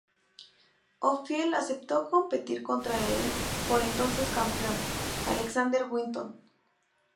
Oldfield aceptó competir contra el por entonces campeón, Alexander Winton.